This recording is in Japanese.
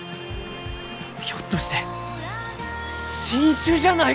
ひょっとして新種じゃないかえ？